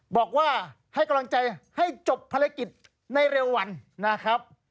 บอกว่าให้กำลังใจให้จบภารกิจในเร็ววันนะครับ